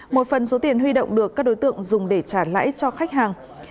một phần số tiền huy động được các đối tượng dùng để trả lãi cho khách hàng